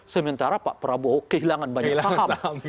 sementara pak prabowo kehilangan banyak saham